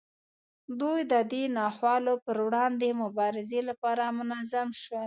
دوی د دې ناخوالو پر وړاندې مبارزې لپاره منظم شول.